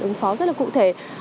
ứng phó rất là cụ thể